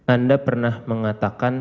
anda pernah mengatakan